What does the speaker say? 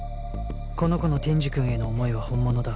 この子の天智くんへの思いは本物だ